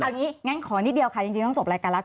เอาอย่างนี้งั้นขอนิดเดียวค่ะจริงต้องจบรายการแล้วกัน